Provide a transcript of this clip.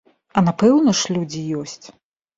А напэўна ж, людзі ёсць.